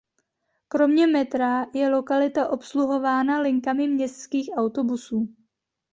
Kromě metra je lokalita obsluhována linkami městských autobusů.